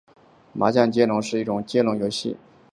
麻将接龙是一种接龙游戏。